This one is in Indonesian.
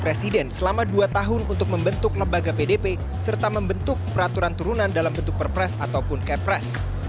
presiden selama dua tahun untuk membentuk lembaga pdp serta membentuk peraturan turunan dalam bentuk perpres ataupun kepres